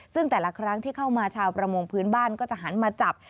ซึ่งแต่ละครั้งที่เข้ามาชาวประมงพื้นบ้านก็จะหันมาจับ